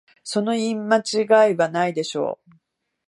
その言い間違いはないでしょ